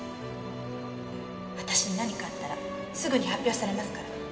私に何かあったらすぐに発表されますから。